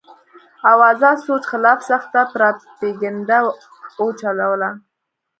او ازاد سوچ خلاف سخته پراپېګنډه اوچلوله